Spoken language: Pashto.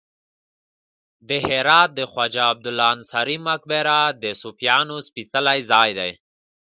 د هرات د خواجه عبدالله انصاري مقبره د صوفیانو سپیڅلی ځای دی